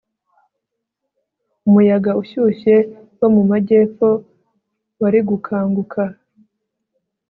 umuyaga ushyushye wo mu majyepfo wari gukanguka